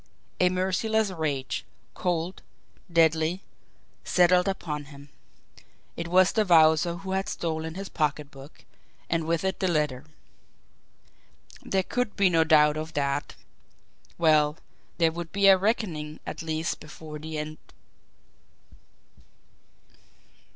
A merciless rage, cold, deadly, settled upon him. It was the Wowzer who had stolen his pocketbook, and with it the letter. There could be no doubt of that. Well, there would be a reckoning at least before the end!